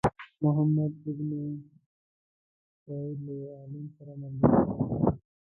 محمد بن سعود له یو عالم سره ملګرتیا وکړه.